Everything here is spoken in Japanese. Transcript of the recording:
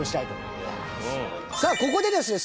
裕二：さあ、ここでですね